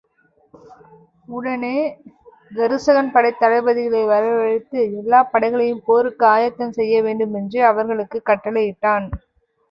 உடனே தருசகன் படைத் தளபதிகளை வரவழைத்து எல்லாப் படைகளையும் போருக்கு ஆயத்தம் செய்ய வேண்டுமென்று அவர்களுக்குக் கட்டளையிட்டான்.